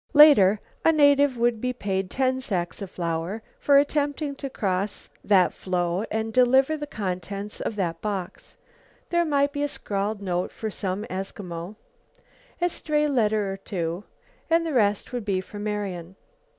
Later a native would be paid ten sacks of flour for attempting to cross that floe and deliver the contents of that box. There might be a scrawled note for some Eskimo, a stray letter or two, and the rest would be for Marian.